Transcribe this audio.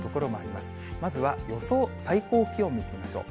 まずは予想最高気温見てみましょう。